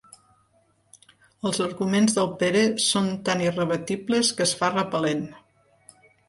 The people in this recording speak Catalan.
Els arguments del Pere són tan irrebatibles que es fa repel·lent.